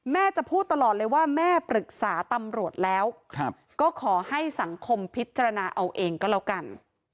จะพูดตลอดเลยว่าแม่ปรึกษาตำรวจแล้วก็ขอให้สังคมพิจารณาเอาเองก็แล้วกัน